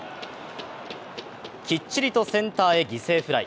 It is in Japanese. きっちりとセンターへ犠牲フライ。